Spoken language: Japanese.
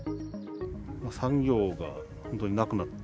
産業が本当になくなる。